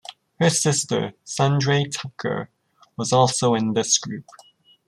Her sister, Sundray Tucker, was also in this group.